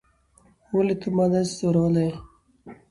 ولې ته ما داسې روزلى يې.